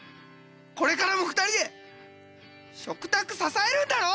これからも２人で食卓支えるんだろ！？